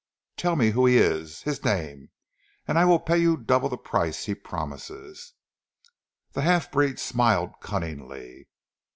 "Tell me who is he his name, and I will pay you double the price he promises." The half breed smiled cunningly.